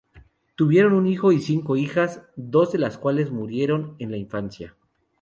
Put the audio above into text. Tuvieron un hijo y cinco hijas, dos de las cuales murieron en la infancia.